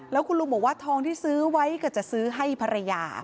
แล้วคุณลุงบอกว่าทองที่ซื้อไว้ก็จะซื้อให้ภรรยา